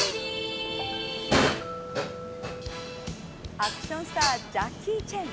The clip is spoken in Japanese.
アクションスター、ジャッキー・チェン。